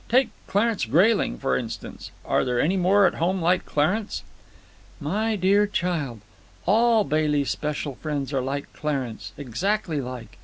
Take Clarence Grayling, for instance. Are there any more at home like Clarence?" "My dear child, all Bailey's special friends are like Clarence, exactly like.